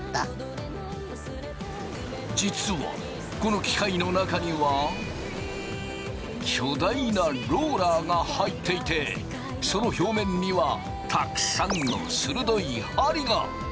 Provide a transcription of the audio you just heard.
実はこの機械の中には巨大なローラーが入っていてその表面にはたくさんの鋭い針が！